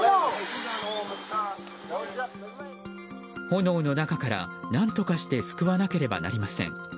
炎の中から、何とかして救わなければなりません。